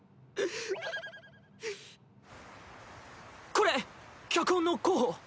これ脚本の候補。